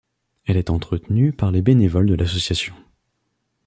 Elle est entretenue par les bénévoles de l'association.